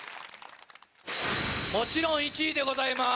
もちろん１位でございます。